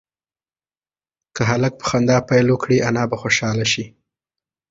که هلک په خندا پیل وکړي انا به خوشحاله شي.